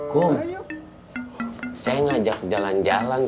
kok saya ngajak jalan jalan